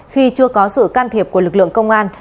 khi chưa có sự can thiệp của lực lượng công an